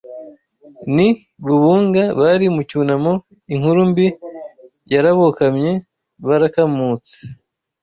N'i Bubunga bari mu cyunamo inkuru mbi yarabokamye barakamutse